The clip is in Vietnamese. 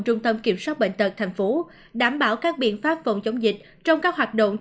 trung tâm kiểm soát bệnh tật tp đảm bảo các biện pháp phòng chống dịch trong các hoạt động